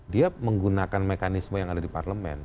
dia menggunakan mekanisme yang ada di parlemen